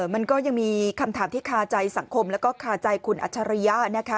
มันก็ยังมีคำถามที่คาใจสังคมแล้วก็คาใจคุณอัจฉริยะนะคะ